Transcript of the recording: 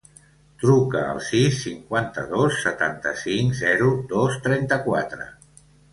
Truca al sis, cinquanta-dos, setanta-cinc, zero, dos, trenta-quatre.